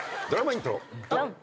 ドラマイントロ。